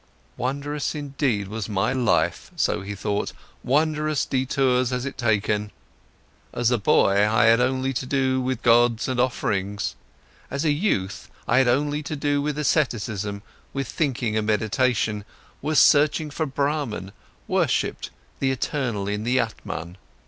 Wondrous indeed was my life, so he thought, wondrous detours it has taken. As a boy, I had only to do with gods and offerings. As a youth, I had only to do with asceticism, with thinking and meditation, was searching for Brahman, worshipped the eternal in the Atman.